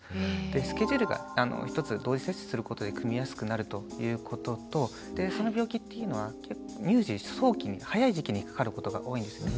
スケジュールが一つ同時接種することで組みやすくなるということとその病気っていうのは乳児早期に早い時期にかかることが多いんですよね。